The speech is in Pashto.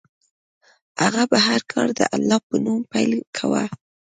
هغه به هر کار د الله په نوم پیل کاوه.